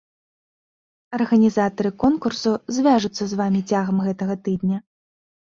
Арганізатары конкурсу звяжуцца з вамі цягам гэтага тыдня.